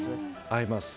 合います。